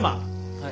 はい。